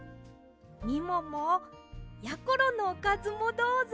みももやころのおかずもどうぞ。